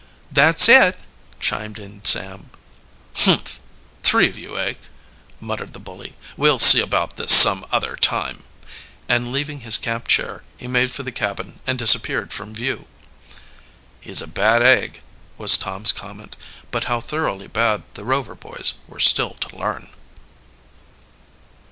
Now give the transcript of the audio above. "That's it," chimed in Sam. "Humph! three of you, eh?" muttered the bully. "We'll see about this some other time," and leaving his camp chair he made for the cabin and disappeared, from view. "He's a bad egg," was Tom's comment, but how thoroughly bad the Rover boys were still to learn.